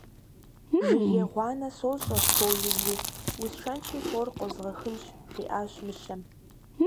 Жыгей гъуанэ сощӏэ, фо изу, усшэнщи, фор къозгъэхынщ, - жиӏащ мыщэм.